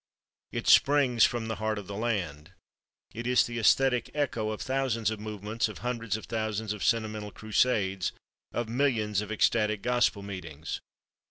It springs from the heart of the land. It is the æsthetic echo of thousands of movements, of hundreds of thousands of sentimental crusades, of millions of ecstatic gospel meetings.